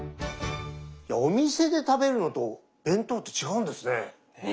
お店で食べるのと弁当って違うんですね。ね。